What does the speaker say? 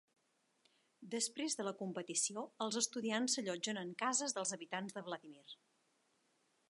Després de la competició, els estudiants s'allotgen en cases dels habitants de Vladimir.